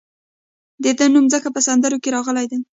د ده نوم ځکه په سندرو کې راغلی دی.